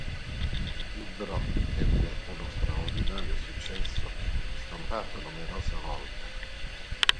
Il libro ebbe uno straordinario successo e fu ristampato numerose volte.